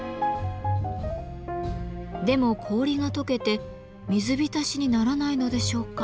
でも氷がとけて水浸しにならないのでしょうか？